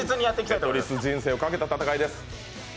テトリス人生をかけた戦いです。